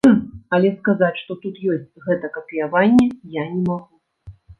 Але сказаць, што тут ёсць гэта капіяванне я не магу.